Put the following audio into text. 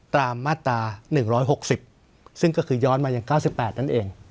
ตามมาตรา๑๖๐ซึ่งก็คือย้อนมาอย่าง๙๘นั่นเอง